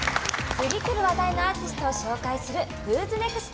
次くる話題のアーティストを紹介する「ＷＨＯ’ＳＮＥＸＴ！」。